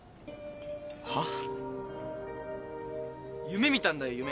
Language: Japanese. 夢見たんだよ夢。